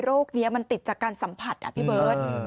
โรคนี้มันติดจากการสัมผัสพี่เบิร์ต